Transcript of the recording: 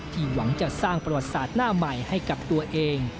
หวังจะสร้างประวัติศาสตร์หน้าใหม่ให้กับตัวเอง